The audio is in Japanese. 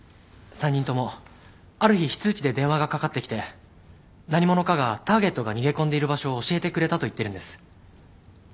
３人ともある日非通知で電話がかかってきて何者かがターゲットが逃げ込んでいる場所を教えてくれたと言ってるんです。